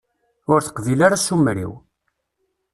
Ur teqbil ara asumer-iw.